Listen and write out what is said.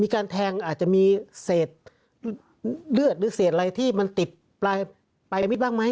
การแทงอาจจะมีเศษเลือดหรือเศษอะไรที่มันติดปลายมิตรบ้างไหม